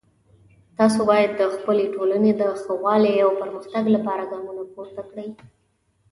تاسو باید د خپلې ټولنې د ښه والی او پرمختګ لپاره ګامونه پورته کړئ